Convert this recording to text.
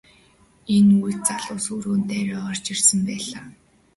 Энэ үед залуус өрөөнд дайран орж ирсэн байлаа.